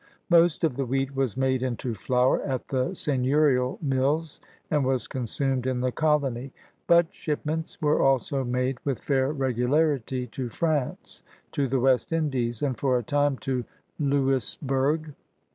Most of the wheat was made into flour at the seigneurial mills and was consumed in the colony, but shipments were also made with fair regularity to France, to the West Indies, and for a time to Louisbourg.